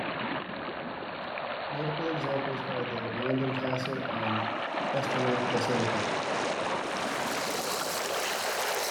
Notable examples are the Vianden Castle and the Echternach Basilica.